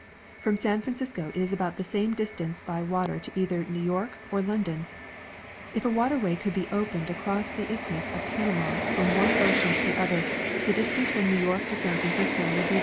From San Francisco it is about the same distance by water to either New York or London. If a waterway could be opened across the isthmus of Panama from one ocean to the other, the distance from New York to San Francisco would be.